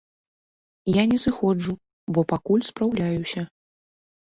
Я не сыходжу, бо пакуль спраўляюся.